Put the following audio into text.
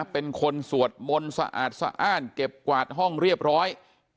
เป็นคนสวดมนต์สะอาดสะอ้านเก็บกวาดห้องเรียบร้อย